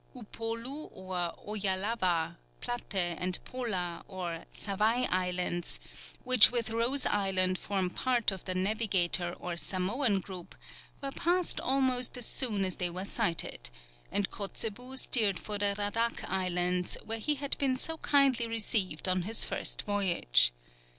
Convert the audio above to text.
Upolu or Oyalava, Platte and Pola or Savai Islands, which with Rose Island form part of the Navigator or Samoan group, were passed almost as soon as they were sighted; and Kotzebue steered for the Radak Islands, where he had been so kindly received on his first voyage.